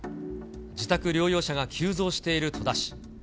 自宅療養者が急増している戸田市。